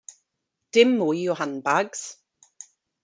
Dim mwy o handbags.